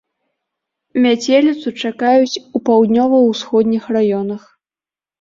Мяцеліцу чакаюць у паўднёва-ўсходніх раёнах.